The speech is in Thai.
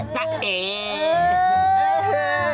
ตัวนัก